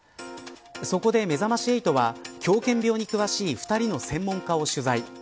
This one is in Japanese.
そこで、めざまし８は狂犬病に詳しい２人の専門家を取材。